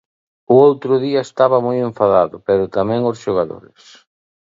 O outro día estaba moi enfadado, pero tamén os xogadores.